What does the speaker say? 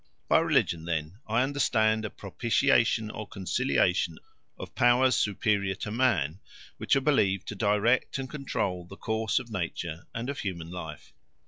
By religion, then, I understand a propitiation or conciliation of powers superior to man which are believed to direct and control the course of nature and of human life.